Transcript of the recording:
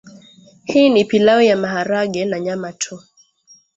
Hii ni pilau ya maharage na nyama tu